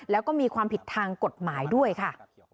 แล้วก็มีความผิดทางกฎหมายด้วยค่ะ